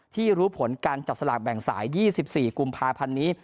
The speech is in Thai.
รู้ผลการจับสลากแบ่งสาย๒๔กุมภาพันธ์นี้